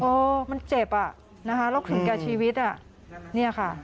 โอ้มันเจ็บอ่ะนะคะรกถึงแก่ชีวิตนี่ค่ะ